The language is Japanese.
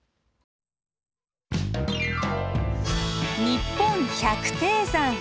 「にっぽん百低山」。